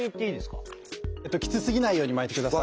きつすぎないように巻いてください。